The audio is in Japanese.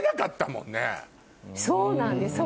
そうなんです。